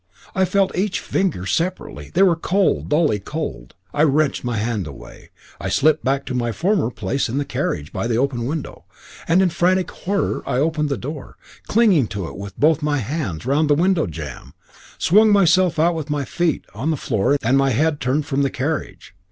I felt each finger separately; they were cold, dully cold. I wrenched my hand away. I slipped back to my former place in the carriage by the open window, and in frantic horror I opened the door, clinging to it with both my hands round the window jamb, swung myself out with my feet on the floor and my head turned from the carriage.